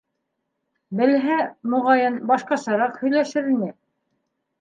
Белһә, моғайын, башҡасараҡ һөйләшер ине.